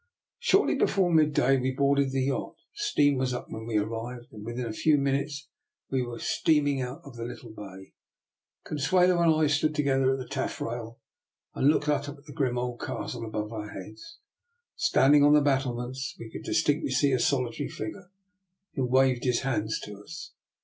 Shortly before midday we boarded the yacht. Steam was up when we arrived, and within a few minutes we were steaming out of the little bay. Consuelo and I stood to gether at the taffrail, and looked up at the grim old Castle on the cliff above our heads. 3o8 DR. NIKOLA'S EXPERIMENT. Standing on the battlements we could dis tinctly see a solitary figure, who waved his hands to us.